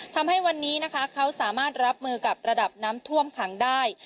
ทำให้วันนี้นะคะเขาสามารถรับมือกับระดับน้ำท่วมขังได้